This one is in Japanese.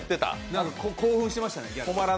興奮してましたね、ギャル。